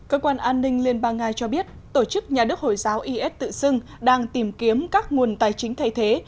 cơ quan an ninh liên bang nga cho biết tổ chức nhà nước hồi giáo is tự xưng đang tìm kiếm các nguồn tài chính thay thế